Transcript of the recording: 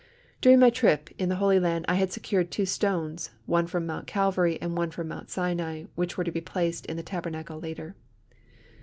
During my trip in the Holy Land I had secured two stones, one from Mount Calvary and one from Mount Sinai, which were to be placed in the Tabernacle later.